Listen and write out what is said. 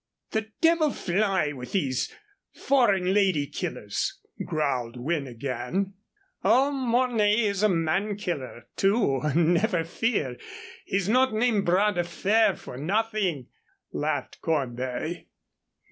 "The devil fly with these foreign lady killers," growled Wynne again. "Oh, Mornay is a man killer, too, never fear. He's not named Bras de Fer for nothing," laughed Cornbury.